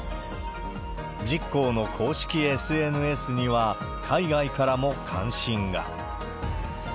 實光の公式ＳＮＳには、海外からも関心が。